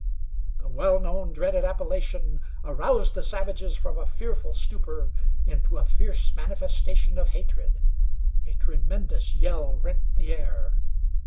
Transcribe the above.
The well known, dreaded appellation aroused the savages from a fearful stupor into a fierce manifestation of hatred. A tremendous yell rent the air.